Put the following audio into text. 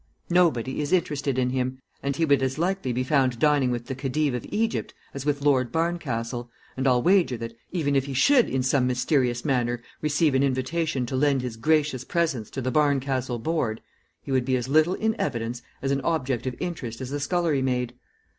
Nobody is interested in him, and he would as likely be found dining with the Khedive of Egypt as with Lord Barncastle, and I'll wager that, even if he should in some mysterious manner receive an invitation to lend his gracious presence to the Barncastle board, he would be as little in evidence as an object of interest as the scullery maid.